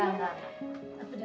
enggak enggak enggak